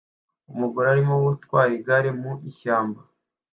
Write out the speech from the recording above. Umugore arimo gutwara igare mu ishyamba